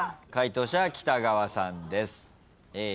解答者は北川さんです。